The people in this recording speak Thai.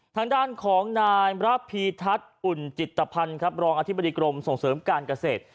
ทางด้านของนายระพีทัศน์อุ่นจิตภัณฑ์ครับรองอธิบดีกรมส่งเสริมการเกษตร